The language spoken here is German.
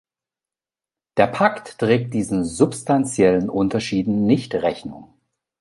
Der Pakt trägt diesen substanziellen Unterschieden nicht Rechnung.